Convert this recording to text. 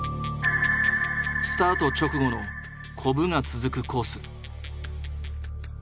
スタート直後のコブが続くコース。